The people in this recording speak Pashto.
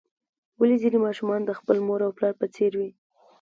ولې ځینې ماشومان د خپل مور او پلار په څیر وي